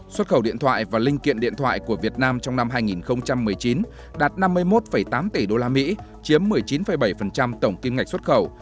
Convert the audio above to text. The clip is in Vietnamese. xuất khẩu điện thoại và linh kiện điện thoại của việt nam trong năm hai nghìn một mươi chín đạt năm mươi một tám tỷ usd chiếm một mươi chín bảy tổng kim ngạch xuất khẩu